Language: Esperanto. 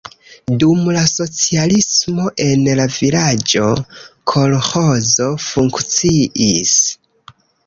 Dum la socialismo en la vilaĝo kolĥozo funkciis.